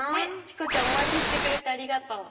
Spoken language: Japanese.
チコちゃんオマケしてくれてありがとう。